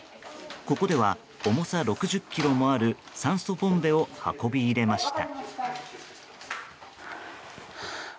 ここでは重さ６０ｋｇもある酸素ボンベを運び入れました。